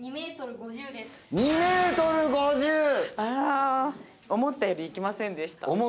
あら思ったよりいきませんでした